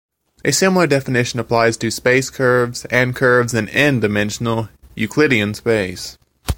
A similar definition applies to space curves and curves in "n"-dimensional Euclidean space.